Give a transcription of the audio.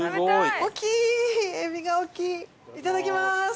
いただきます。